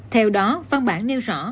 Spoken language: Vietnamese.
theo đó văn bản nêu rõ